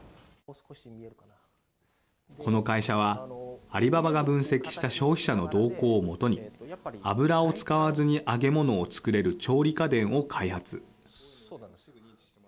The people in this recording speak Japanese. この会社は、アリババが分析した消費者の動向を基に油を使わずに揚げ物を作れる調理家電を開発。